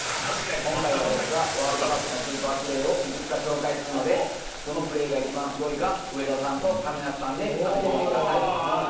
今回は僕が、ワールドカップのスーパープレーをいくつか紹介するので、土のプレーが一番すごいか、上田さんと亀梨さんで当ててみてください。